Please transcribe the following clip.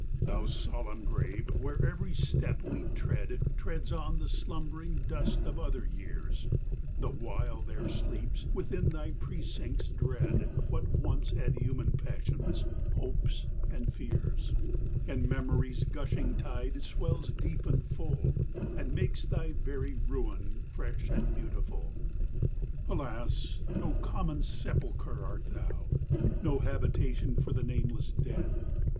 Thou solemn grave, where every step we tread Treads on the slumbering dust of other years ; The while there sleeps within thy precincts dread What once had human passions, hopes, and fears ; And memory's gushing tide swells deep and full And makes thy very ruin fresh and beautiful. X. Alas, no common sepulchre art thou, No habitation for the nameless dead.